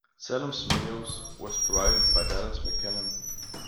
Salem's meows were provided by Dallas McKennon.